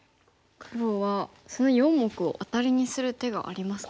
黒はその４目をアタリにする手がありますか。